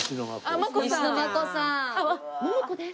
「桃子です」